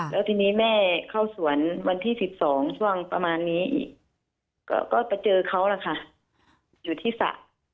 แล้วทีนี้แม่เข้าสวนวันที่๑๒ช่วงประมาณนี้อีกก็ไปเจอเขาล่ะค่ะอยู่ที่สระ